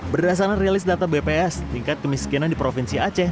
berdasarkan rilis data bps tingkat kemiskinan di provinsi aceh